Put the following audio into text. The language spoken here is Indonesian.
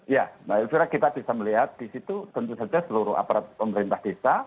ya mbak elvira kita bisa melihat di situ tentu saja seluruh aparat pemerintah desa